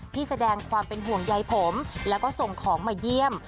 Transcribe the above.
ที่แสดงความเป็นห่วงใยผมแล้วก็ส่งของมาเยี่ยม